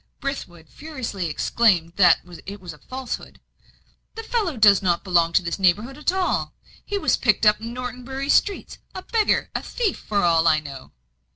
Brithwood furiously exclaimed that it was a falsehood. "The fellow does not belong to this neighbourhood at all. He was picked up in Norton Bury streets a beggar, a thief, for all I know."